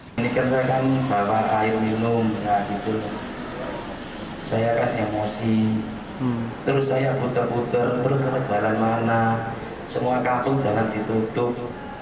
saya kan emosi terus saya putar putar terus ke jalan mana semua kampung jangan ditutup